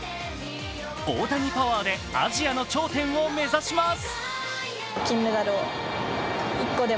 大谷パワーでアジアの頂点を目指します。